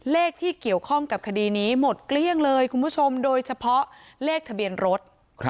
เลขที่เกี่ยวข้องกับคดีนี้หมดเกลี้ยงเลยคุณผู้ชมโดยเฉพาะเลขทะเบียนรถ